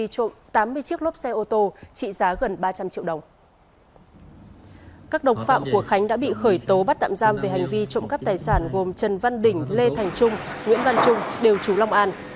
các đồng phạm của khánh đã bị khởi tố bắt tạm giam về hành vi trộm cắp tài sản gồm trần văn đỉnh lê thành trung nguyễn văn trung đều chú long an